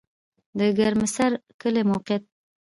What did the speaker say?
د ګرمسر کلی موقعیت